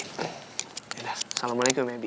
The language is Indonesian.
ya udah assalamualaikum ya bi